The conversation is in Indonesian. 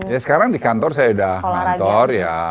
ya sekarang di kantor saya udah ngantor ya